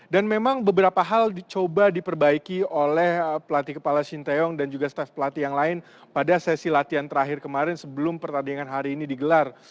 dan memang beberapa hal dicoba diperbaiki oleh pelatih kepala shinteong dan juga staf pelatih yang lain pada sesi latihan terakhir kemarin sebelum pertandingan hari ini digelar